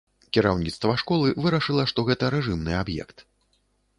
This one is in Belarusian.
Кіраўніцтва школы вырашыла, што гэта рэжымны аб'ект.